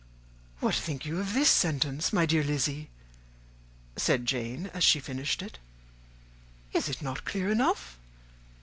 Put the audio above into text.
What think you of this sentence, my dear Lizzy?" said Jane, as she finished it. "Is it not clear enough?